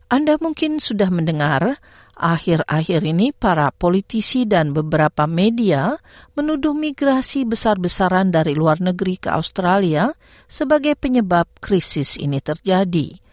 anda mungkin sudah mendengar akhir akhir ini para politisi dan beberapa media menuduh migrasi besar besaran dari luar negeri ke australia sebagai penyebab krisis ini terjadi